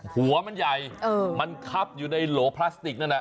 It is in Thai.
หัวมันใหญ่มันคับอยู่ในโหลพลาสติกนั่นน่ะ